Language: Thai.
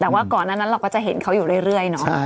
แต่ว่าก่อนนั้นเราก็จะเห็นเขาอยู่เรื่อยเนาะ